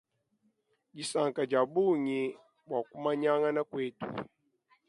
Disanka dia bungi buaku manyangana kuetu.